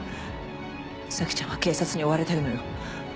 咲ちゃんは警察に追われてるのよ？